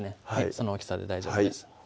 その大きさで大丈夫です